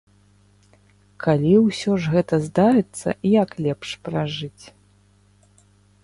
Калі ўсё ж гэта здарыцца, як лепш пражыць?